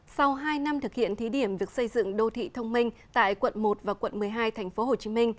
sau hai năm thực hiện thí điểm việc xây dựng đô thị thông minh tại quận một và quận một mươi hai tp hcm